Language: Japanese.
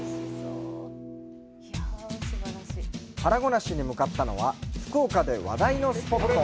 腹ごなしに向かったのは、福岡で話題のスポット。